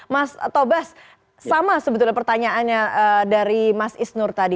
mas tobas sama sebetulnya pertanyaannya dari mas isnur tadi